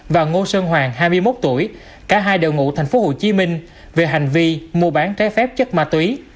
và ngô sơn hoàng hai mươi một tuổi cả hai đều ngụ thành phố hồ chí minh về hành vi mua bán trái phép chất ma túy